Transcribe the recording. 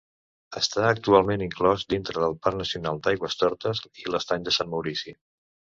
Està actualment inclòs dintre del Parc Nacional d'Aigüestortes i Estany de Sant Maurici.